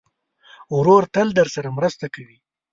ورور تل درسره مرسته کوي.